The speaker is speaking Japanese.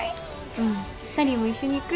うんサリーも一緒に行く？